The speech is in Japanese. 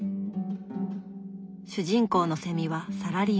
主人公のセミはサラリーマン。